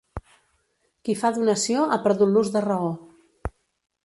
Qui fa donació ha perdut l'ús de raó.